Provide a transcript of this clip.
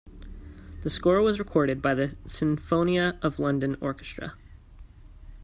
The score was recorded by the Sinfonia of London orchestra.